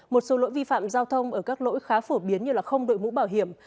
một số lỗi vi phạm giao thông ở các lỗi khá phổ biến như không đội mũ bảo hiểm